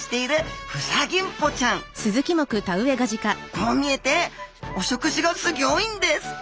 こう見えてお食事がすギョいんです。